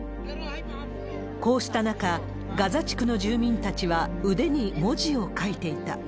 こうした中、ガザ地区の住民たちは腕に文字を書いていた。